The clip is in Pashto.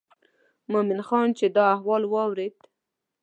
مومن خان چې دا احوال واورېد.